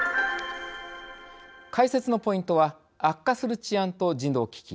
解説のポイントは悪化する治安と人道危機。